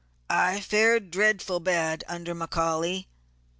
I fared dreadful bad under McCaully.